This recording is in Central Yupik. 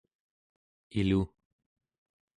ilu